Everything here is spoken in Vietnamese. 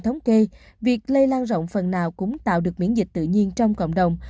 thống kê việc lây lan rộng phần nào cũng tạo được miễn dịch tự nhiên trong cộng đồng